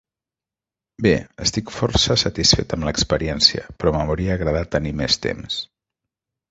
Bé, estic força satisfet amb l'experiència, però m'hauria agradat tenir més temps.